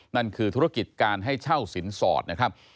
นั่นคือธุรกิจการให้เช่าสินสอดนะครับ